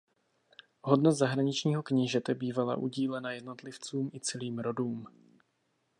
Hodnost zahraničního knížete bývala udílena jednotlivcům i celým rodům.